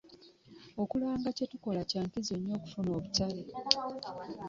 Okulanga bye tukola kya nkizo nnyo okufuna obutale.